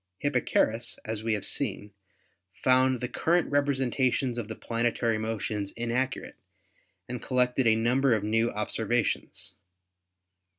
Hipparchus, as we have seen, found the current representations of the planetary motions inaccurate and collected a number of new observations.